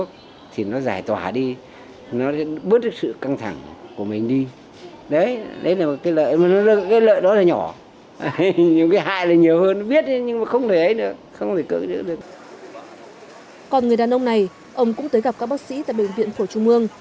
còn người đàn ông này ông cũng tới gặp các bác sĩ tại bệnh viện phổi trung ương